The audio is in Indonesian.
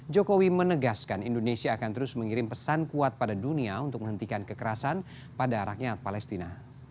jokowi menegaskan indonesia akan terus mengirim pesan kuat pada dunia untuk menghentikan kekerasan pada rakyat palestina